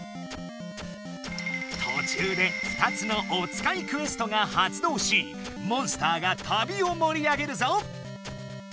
途中で２つのおつかいクエストが発動しモンスターが旅をもり上げるぞ。